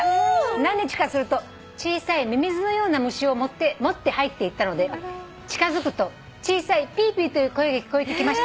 「何日かすると小さいミミズのような虫を持って入っていったので近づくと小さいピーピーという声が聞こえてきました」